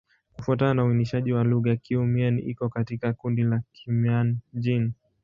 Kufuatana na uainishaji wa lugha, Kiiu-Mien iko katika kundi la Kimian-Jin.